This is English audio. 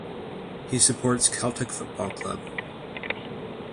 He supports Celtic Football Club.